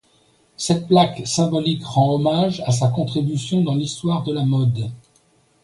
Cette plaque symbolique rend hommage à sa contribution dans l'histoire de la mode.